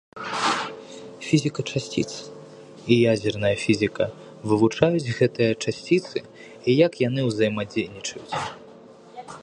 Фізіка часціц і ядзерная фізіка вывучаюць гэтыя часціцы і як яны ўзаемадзейнічаюць.